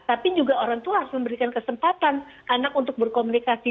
tapi juga orang tua harus memberikan kesempatan anak untuk berkomunikasi